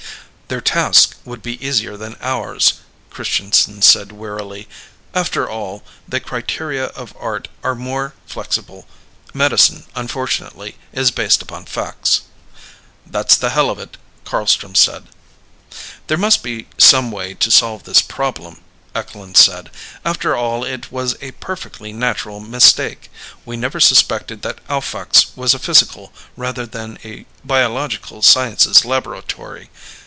"Their task would be easier than ours," Christianson said wearily. "After all, the criteria of art are more flexible. Medicine, unfortunately, is based upon facts." "That's the hell of it," Carlstrom said. "There must be some way to solve this problem," Eklund said. "After all it was a perfectly natural mistake. We never suspected that Alphax was a physical rather than a biological sciences laboratory.